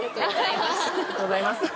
ありがとうございます。